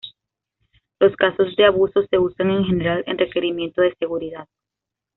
Los casos de abuso se usan en general en requerimientos de seguridad.